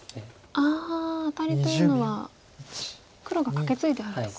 あアタリというのは黒がカケツイであるところですね。